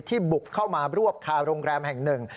บุกเข้ามารวบคาโรงแรมแห่งหนึ่ง